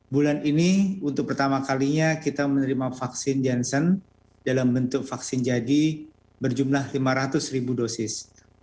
bulan ini untuk pertama kalinya kita menerima vaksin johnson dalam bentuk vaksin jadi berjumlah lima ratus ribu dosis